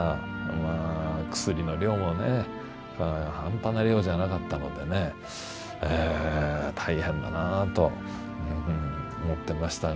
まあ薬の量もね半端な量じゃなかったのでねええ大変だなと思ってましたが。